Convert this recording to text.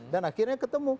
dan akhirnya ketemu